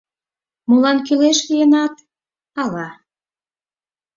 Молан кӱлеш лийынат, ала?